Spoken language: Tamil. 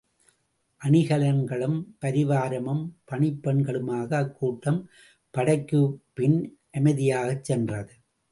அணிகலன்களும் பரிவாரமும் பணிப் பெண்களுமாக அக் கூட்டம் படைக்குப்பின் அமைதியாகச் சென்றது.